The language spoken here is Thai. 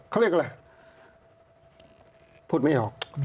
เขาเรียกอะไรพูดไม่ออก